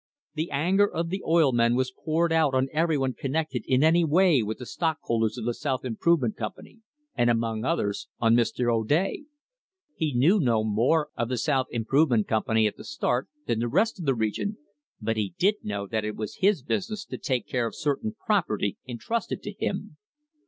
The anger of the oil men was poured out on everyone connected in any way with the stockholders of the South Improvement Company, and among others on Mr. O'Day. He knew no more of the South Improvement Company at the start than the rest of the region, but he did know that it was his business to take care of certain property entrusted to him.